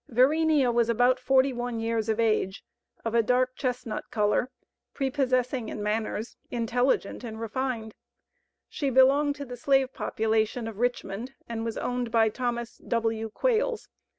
Verenea was about forty one years of age, of a dark chestnut color, prepossessing in manners, intelligent and refined. She belonged to the slave population of Richmond, and was owned by Thomas W. Quales.